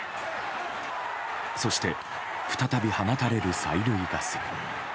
そして、再び放たれる催涙ガス。